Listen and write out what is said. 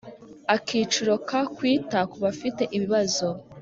Akiciro ka Kwita ku bafite ibibazo